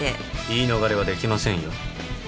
言い逃れはできませんよ